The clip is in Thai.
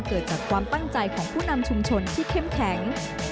เกิดจากความตั้งใจของผู้นำชุมชนที่เข้มแข็ง